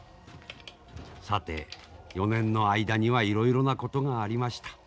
さて４年の間にはいろいろなことがありました。